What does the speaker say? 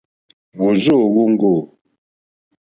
Wòrzô wóŋɡô.